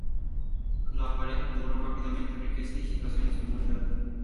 La pareja acumuló rápidamente riqueza y situación en su comunidad.